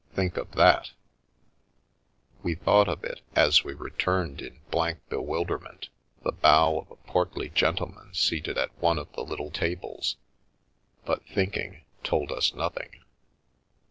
Think of that !" We thought of it, as we returned, in blank bewil derment, the bow of a portly gentleman seated at one of the little tables, but thinking told us nothing.